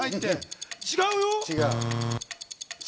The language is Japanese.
違うよ。